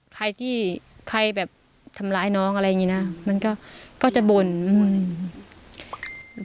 ใครที่ใครแบบทำร้ายน้องอะไรอย่างนี้นะมันก็ก็จะบ่นอืม